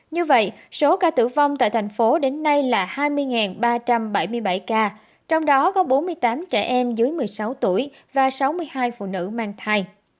như vậy số ca tử vong tại thành phố đến nay là hai mươi ba trăm bảy mươi bảy ca trong đó có bốn mươi tám trẻ em dưới một mươi sáu tuổi và sáu mươi hai phụ nữ mang thai